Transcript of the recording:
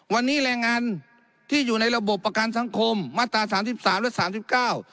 วันนี้แรงงานที่อยู่ในระบบประกันสังคมมาตราสามสิบสามและสามสิบเก้า